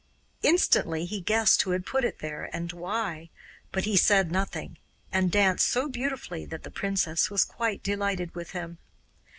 Instantly he guessed who had put it there and why, but he said nothing, and danced so beautifully that the princess was quite delighted with him.